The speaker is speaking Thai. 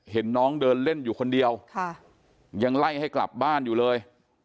เห็นน้องเดินเล่นอยู่คนเดียวยังไล่ให้กลับบ้านอยู่เลย